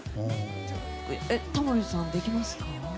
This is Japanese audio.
タモリさん、できますか？